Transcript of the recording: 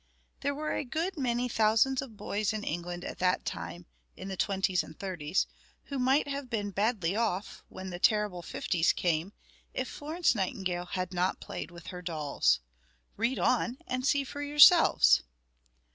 There were a good many thousands of boys in England at that time, in the Twenties and Thirties, who might have been badly off when the terrible Fifties came, if Florence Nightingale had not played with her dolls. Read on, and see for yourselves!